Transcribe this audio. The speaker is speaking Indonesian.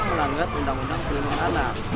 melanggar undang undang ke depan anak